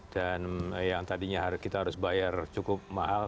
dan yang tadinya kita harus bayar cukup mahal